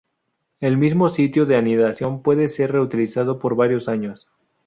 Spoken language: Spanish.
El mismo sitio de anidación puede ser reutilizado por varios años.